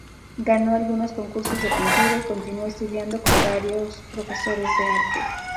Ganó algunos concursos de pintura y continuó estudiando con varios profesores de arte.